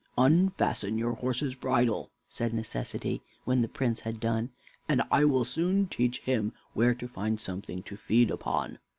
"Unfasten your horse's bridle," said Necessity, when the Prince had done, "and I will soon teach him where to find something to feed upon."